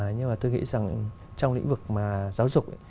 nhưng mà tôi nghĩ rằng trong lĩnh vực giáo dục